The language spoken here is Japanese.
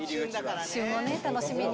旬を楽しみに。